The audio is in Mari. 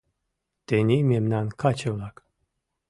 Тений мемнан каче-влак